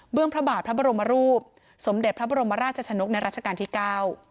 พระบาทพระบรมรูปสมเด็จพระบรมราชชนกในรัชกาลที่เก้า